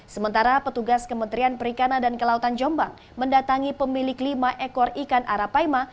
sementara petugas kementerian perikanan dan kelautan jombang mendatangi pemilik lima ekor ikan arapaima